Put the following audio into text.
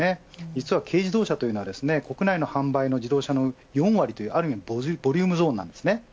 実は軽自動車というのは国内の販売の自動車の４割ある意味ボリュームゾーンなんです。